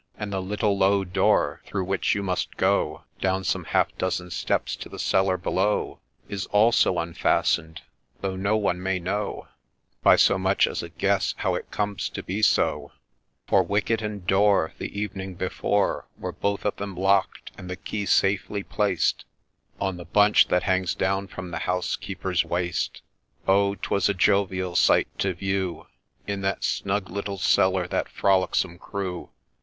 And the little low door, through which you must go, THE WITCHES' FROLIC 103 Down some half dozen steps, to the cellar below, Is also unfastened, though no one may know, By so much as a guess, how it comes to be so ; For wicket and door The evening before, Were both of them lock'd, and the key safely placed On the bunch that hangs down from the Housekeeper's waist. Oh I 'twas a jovial sight to view In that snug little cellar that frolicsome crew